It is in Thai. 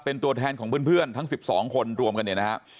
เป็นตัวแทนของเพื่อนทั้ง๑๒คนรวมกันเนี่ยนะฮะ